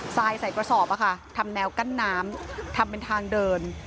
ทรายใส่กระสอบทำแนวกั้นน้ำทำเป็นทางเดิน